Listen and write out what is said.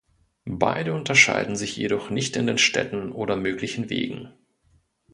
Beide unterscheiden sich jedoch nicht in den Städten oder möglichen Wegen.